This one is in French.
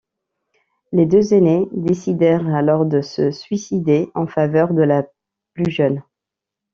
Les deux aînées décidèrent alors de se suicider en faveur de la plus jeune.